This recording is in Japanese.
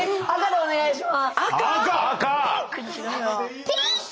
お願いします。